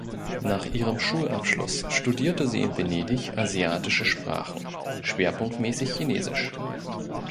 Nach ihrem Schulabschluss studierte sie in Venedig asiatische Sprachen, schwerpunktmäßig Chinesisch.